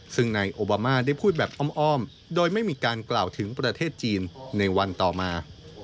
ซึ่งนายโอบามาได้พูดแบบอ้อมโดยไม่มีการกล่าวถึงประเทศจีนในวันต่อมา